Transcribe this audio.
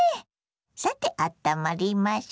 さてあったまりましょ。